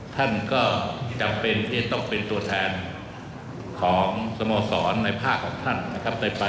ท่านก็จำเป็นที่จะต้องเป็นตัวแทนของสโมสรในภาคของท่านนะครับ